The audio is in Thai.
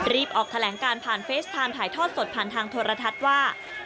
ออกแถลงการผ่านเฟสไทม์ถ่ายทอดสดผ่านทางโทรทัศน์ว่า